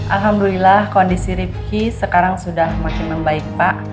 alhamdulillah kondisi rifki sekarang sudah makin membaik pak